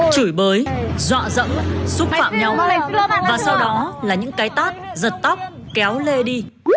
chửi bới dọa dẫm xúc phạm nhau và sau đó là những cái tát giật tóc kéo lê đi